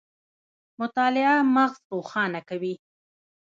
مطالعه مغز روښانه کوي